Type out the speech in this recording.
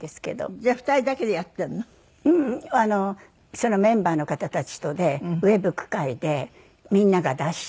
そのメンバーの方たちとでウェブ句会でみんなが出して。